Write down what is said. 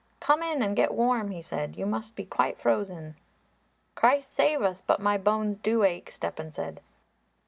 "Come in and get warm," he said; "you must be quite frozen." "Christ save us! but my bones do ache," Stepan said.